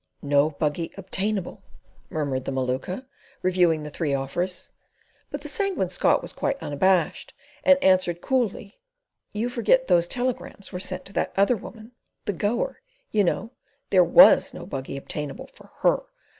"No buggy obtainable," murmured the Maluka, reviewing the three offers. But the Sanguine Scot was quite unabashed, and answered coolly: "You forget those telegrams were sent to that other woman—the Goer, you know—there WAS no buggy obtainable for HER.